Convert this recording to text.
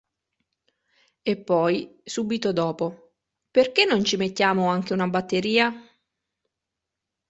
E poi, subito dopo: Perché non ci mettiamo anche una batteria?